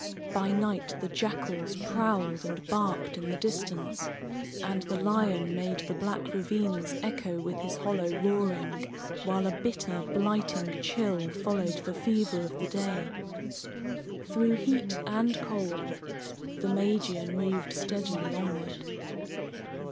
By night the jackals prowled and barked in the distance, and the lion made the black ravines echo with his hollow roaring, while a bitter, blighting chill followed the fever of the day. Through heat and cold, the Magian moved steadily onward.